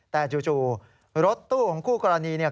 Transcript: แต่ช่วงรถตู้ของคู่กรณี